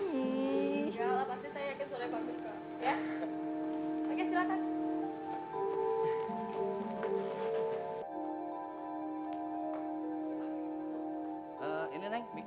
ya pasti saya yakin suaranya bagus kak